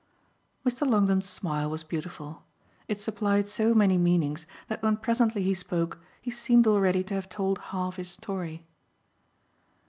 Mr. Longdon's smile was beautiful it supplied so many meanings that when presently he spoke he seemed already to have told half his story.